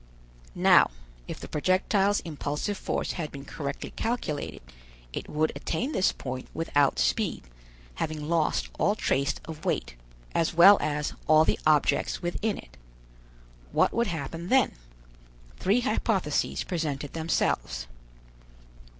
Now if the projectile's impulsive force had been correctly calculated, it would attain this point without speed, having lost all trace of weight, as well as all the objects within it. What would happen then? Three hypotheses presented themselves.